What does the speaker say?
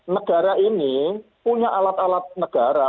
negara ini punya alat alat negara